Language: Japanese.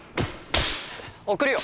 送るよ